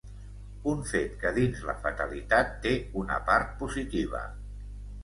Un fet, que dins la fatalitat, té una part positiva.